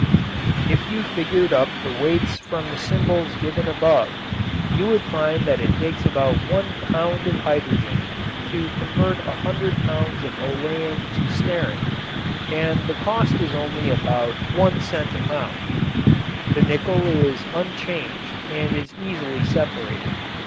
If you figured up the weights from the symbols given above you would find that it takes about one pound of hydrogen to convert a hundred pounds of olein to stearin and the cost is only about one cent a pound. The nickel is unchanged and is easily separated.